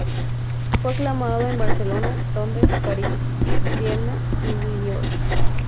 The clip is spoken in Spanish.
Fue aclamado en Barcelona, Londres, París, Viena y Lyon.